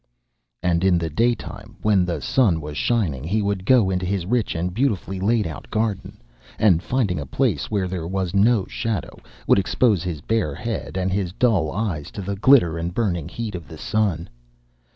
And in the daytime, when the sun was shining, he would go into his rich and beautifully laid out garden, and finding a place where there was no shadow, would expose his bare head and his dull eyes to the glitter and burning heat of the sun.